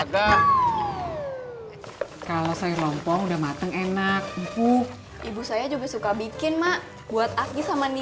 kalau sayur lompong udah mateng enak educated ibu saya juga suka bikin mak buat aktif sama hyuni